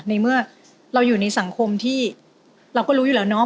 ในเมื่อเราอยู่ในสังคมที่เราก็รู้อยู่แล้วเนาะ